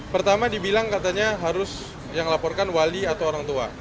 pertama dibilang katanya harus yang laporkan wali atau orang tua